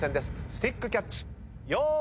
スティックキャッチよーい。